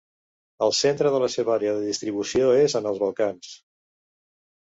El centre de la seva àrea de distribució és en els Balcans.